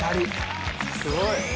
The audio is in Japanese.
すごい。